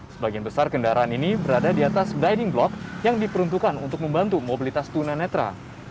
sebagian besar kendaraan ini berada di atas dining block yang diperuntukkan untuk membantu mobilitas tunanetra